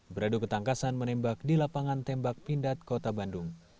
beradu ketangkasan menembak di lapangan tembak pindad kota bandung